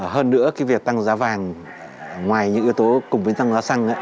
hơn nữa việc tăng giá vàng ngoài những yếu tố cùng với tăng giá xăng